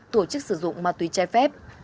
tổ chức sử dụng ma túy trai phép